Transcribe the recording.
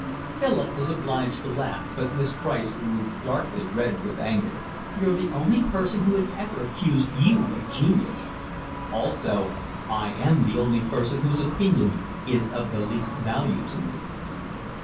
Philip was obliged to laugh, but Miss Price grew darkly red with anger. "You're the only person who has ever accused you of genius." "Also I am the only person whose opinion is of the least value to me."